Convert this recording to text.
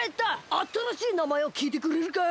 あたらしいなまえをきいてくれるかい？